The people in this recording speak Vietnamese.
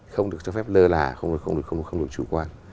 không được cho phép lơ là không được chủ quan